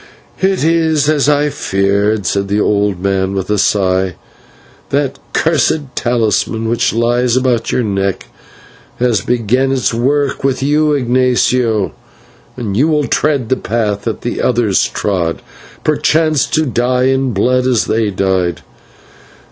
"It is as I feared," said the old man with a sigh, "that cursed talisman which lies about your neck has begun its work with you, Ignatio, and you will tread the path that the others trod, perchance to die in blood as they died.